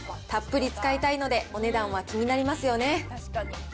たっぷり使いたいので、お値段は気になりますよね。